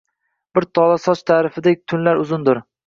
Bir tola soch ta’rifidek tunlar uzundir